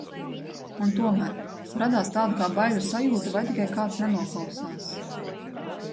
Un tomēr, radās tāda kā baiļu sajūta, vai tikai kāds nenoklausās.